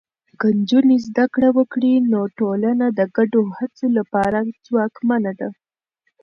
که نجونې زده کړه وکړي، نو ټولنه د ګډو هڅو لپاره ځواکمنه ده.